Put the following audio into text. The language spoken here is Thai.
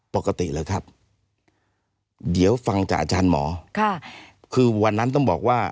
ปกติแล้วครับเดี๋ยวฟังจากอาจารย์หมอค่ะคือวันนั้นต้องบอกว่า